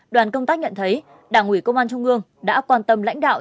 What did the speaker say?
đoàn công tác nhận thấy đảng ủy công an trung ương đã quan tâm lãnh đạo